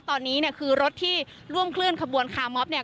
ตอนนี้คือรถที่ร่วมคลื่นขบวนคามออฟเนี่ย